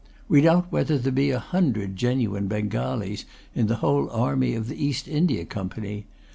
We doubt whether there be a hundred genuine Bengalees in the whole army of the East India Company.